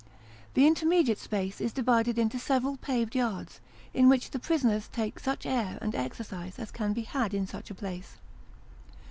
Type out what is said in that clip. The intermediate space is divided into several paved yards, in which the prisoners take such air and exercise as can be had in such a place.